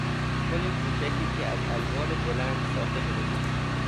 پل کوچکی که از الوار بلند ساخته شده بود